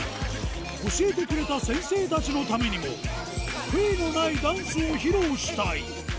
教えてくれた先生たちのためにも、悔いのないダンスを披露したい。